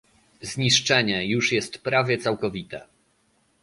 Zniszczenie już jest prawie całkowite